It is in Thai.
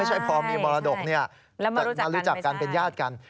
ใช่พอมีมรดกมารู้จักกันเป็นญาติกัน